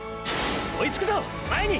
追いつくぞ前に！！